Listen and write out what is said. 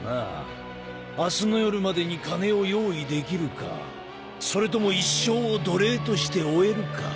明日の夜までに金を用意できるかそれとも一生を奴隷として終えるか。